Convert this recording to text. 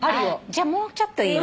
じゃあもうちょっといい？